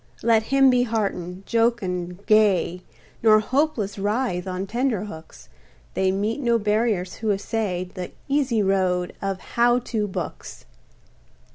Let him be heartened, jocund, gay, Nor hopeless writhe on tenter hooks, They meet no barriers who essay The easy road of "How To" books!